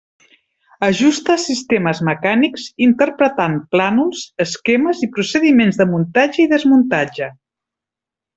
Ajusta sistemes mecànics, interpretant plànols, esquemes i procediments de muntatge i desmuntatge.